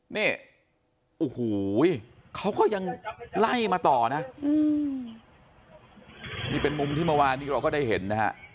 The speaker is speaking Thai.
นี่โอ้โหเขาก็ยังไล่มาต่อนะนี่เป็นมุมที่เมื่อวานนี้เราก็ได้เห็นนะฮะ